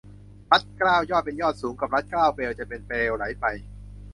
รัดเกล้ายอดเป็นยอดสูง กับรัดเกล้าเปลว จะเป็นเปลวไหลไป